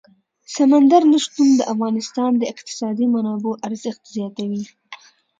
سمندر نه شتون د افغانستان د اقتصادي منابعو ارزښت زیاتوي.